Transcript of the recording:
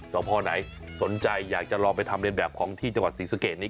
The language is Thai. สพไหนสนใจอยากจะลองไปทำเรียนแบบของที่จังหวัดศรีสะเกดนี้